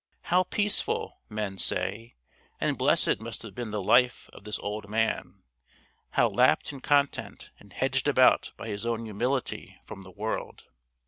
How peaceful, men say, and blessed must have been the life of this old man, how lapped in content, and hedged about by his own humility from the world!